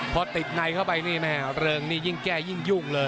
พอติดในเข้าไปนี่แม่เริงนี่ยิ่งแก้ยิ่งยุ่งเลย